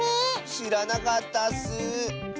しらなかったッス。